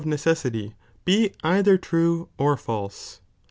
177 necessity be either true or fabe.